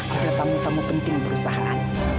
ada tamu tamu penting perusahaan